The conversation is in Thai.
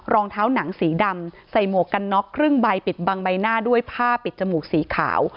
รองเท้าหนังสีดำใส่หมวกกันน็อกครึ่งใบปิดบังใบหน้าด้วยผ้าปิดจมูกสีขาว